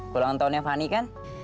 kulangan tahunnya fani kan